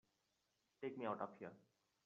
Take me out of here!